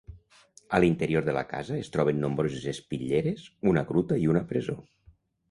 A l'interior de la casa es troben nombroses espitlleres, una gruta i una presó.